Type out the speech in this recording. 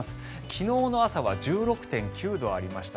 昨日の朝は１６．９度ありました